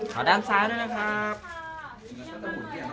ขอสายตาซ้ายสุดด้วยครับ